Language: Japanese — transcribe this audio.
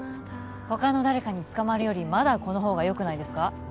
他の誰かに捕まるよりまだこの方がよくないですか？